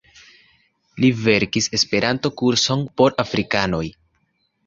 Li verkis Esperanto-kurson por afrikanoj.